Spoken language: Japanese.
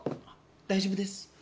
大丈夫です。